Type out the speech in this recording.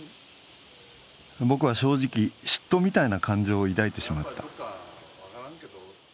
僕は正直、嫉妬みたいな感情を抱いてしまった。